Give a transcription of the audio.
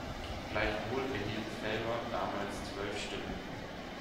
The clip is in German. Gleichwohl erhielt Felber damals zwölf Stimmen.